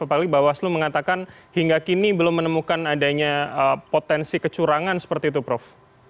apalagi bawaslu mengatakan hingga kini belum menemukan adanya potensi kecurangan seperti itu prof